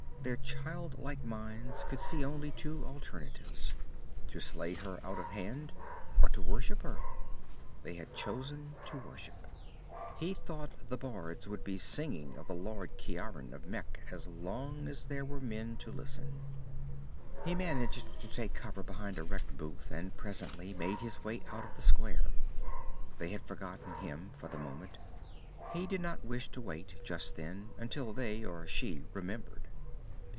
Their childlike minds could see only two alternatives to slay her out of hand, or to worship her. They had chosen to worship. He thought the bards would be singing of the Lord Ciaran of Mekh as long as there were men to listen. He managed to take cover behind a wrecked booth, and presently make his way out of the square. They had forgotten him, for the moment. He did not wish to wait, just then, until they or she remembered.